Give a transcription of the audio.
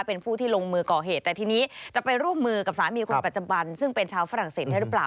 เป็นผู้ที่ลงมือก่อเหตุแต่ทีนี้จะไปร่วมมือกับสามีคนปัจจุบันซึ่งเป็นชาวฝรั่งเศสได้หรือเปล่า